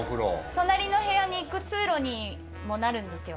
隣の部屋に行く通路にもなるんですよ。